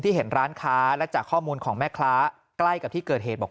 เห็นร้านค้าและจากข้อมูลของแม่ค้าใกล้กับที่เกิดเหตุบอก